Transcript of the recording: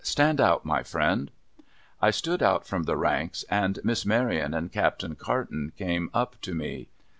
* Stand out, my friend !' I stood out from the ranks, and Miss Maryon and Captain Carton came up to me.